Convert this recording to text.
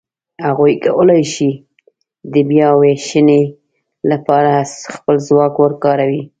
هغوی کولای شي د بیاوېشنې لهپاره خپل ځواک وکاروي.